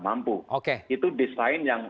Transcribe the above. mampu itu desain yang